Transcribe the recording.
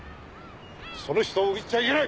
その人を撃っちゃいけない！